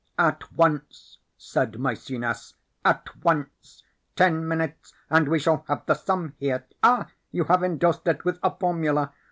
"At once," said Maecenas, "at once. Ten minutes and we shall have the sum here. Ah, you have endorsed it with a formula!